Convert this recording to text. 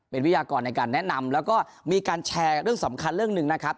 เป็นวิทยากรในการแนะนำแล้วก็มีการแชร์เรื่องสำคัญเรื่องหนึ่งนะครับ